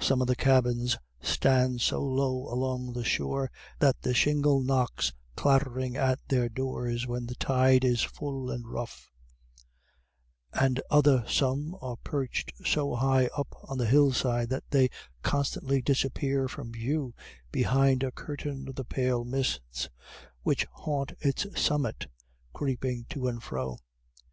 Some of the cabins stand so low along the shore that the shingle knocks clatteringly at their doors when the tide is full and rough; and other some are perched so high up on the hillside that they constantly disappear from view behind a curtain of the pale mists which haunt its summit, creeping to and fro.